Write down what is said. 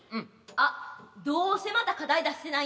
あどうせまた課題出してないんだろ？